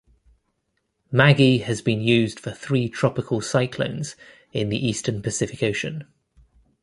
Maggie has been used for three tropical cyclones in the Eastern Pacific Ocean.